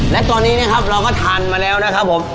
และตอนนี้นะครับเราก็ทานมาแล้วนะครับผม